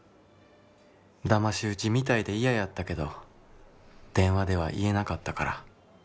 騙し討ちみたいで嫌やったけど電話では言えなかったから。